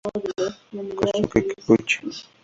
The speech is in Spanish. Kosuke Kikuchi